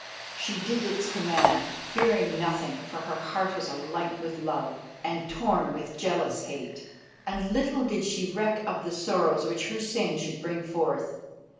She did its command, fearing nothing, for her heart was alight with love, and torn with jealous hate, and little did she reck of the sorrows which her sin should bring forth.